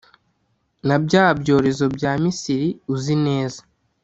na bya byorezo bya misiri uzi neza;